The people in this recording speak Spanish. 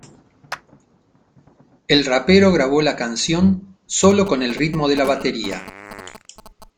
El rapero grabó la canción sólo con el ritmo de la batería.